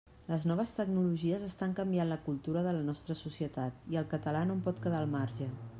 Les noves tecnologies estan canviant la cultura de la nostra societat i el català no en pot quedar al marge.